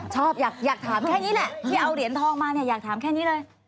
ชอบอยากถามแค่นี้แหละที่เอาเหรียญทองมาเนี่ยอยากถามแค่นี้เลย